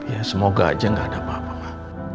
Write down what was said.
ya semoga aja gak ada apa apa lah